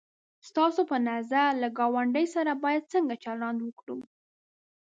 ستاسو په نظر له گاونډي سره باید څنگه چلند وکړو؟